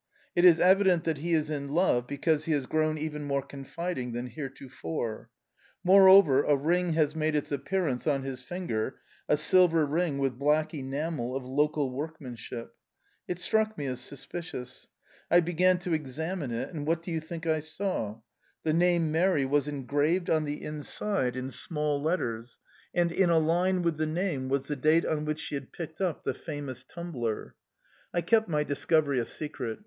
It is evident that he is in love, because he has grown even more confiding than heretofore. Moreover, a ring has made its appearance on his finger, a silver ring with black enamel of local workmanship. It struck me as suspicious... I began to examine it, and what do you think I saw? The name Mary was engraved on the inside in small letters, and in a line with the name was the date on which she had picked up the famous tumbler. I kept my discovery a secret.